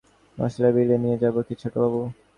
নিতাই প্রশ্ন করিল, সোজা মশালবিলে নিয়ে যাব কি ছোটবাবু?